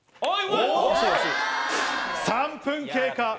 ３分経過。